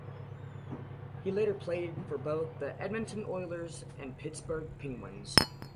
He later played for both the Edmonton Oilers and Pittsburgh Penguins.